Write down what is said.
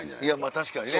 確かにね。